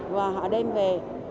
và họ đem về